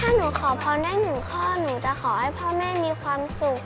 ถ้าหนูขอพรได้หนึ่งข้อหนูจะขอให้พ่อแม่มีความสุข